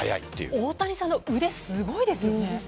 大谷さんの腕、すごいですよね。